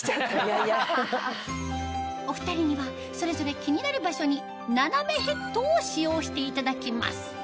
お２人にはそれぞれ気になる場所に斜めヘッドを使用していただきます